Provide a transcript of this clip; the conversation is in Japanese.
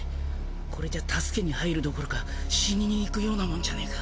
これじゃ助けに入るどころか死にに行くようなもんじゃねえか。